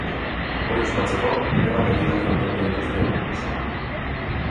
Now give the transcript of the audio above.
Hori ospatzeko, hainbat ekitaldi antolatu dituzte egun osorako.